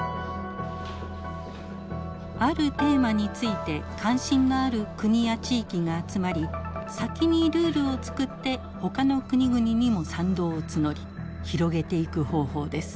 あるテーマについて関心のある国や地域が集まり先にルールを作ってほかの国々にも賛同を募り広げていく方法です。